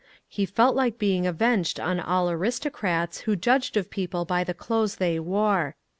He felt like being avenged on all aristo crats who judged of people by the clothes they wore.